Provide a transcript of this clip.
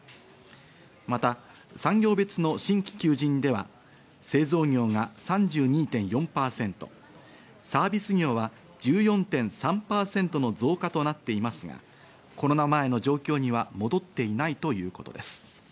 また、産業別の新規求人では製造業が３２．４％、サービス業は１４．３％の増加となっていますが、コロナ前の状況には戻っていないということです。